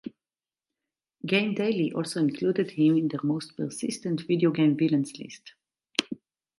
GameDaily also included him in their most persistent video game villains list.